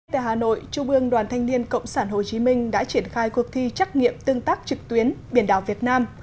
tại hà nội trung ương đoàn thanh niên cộng sản hồ chí minh đã triển khai cuộc thi trắc nghiệm tương tác trực tuyến biển đảo việt nam